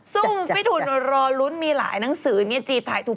ซึ่งฟิตหุ่นรอลุ้นมีหลายหนังสือนี่จีบถ่ายตัว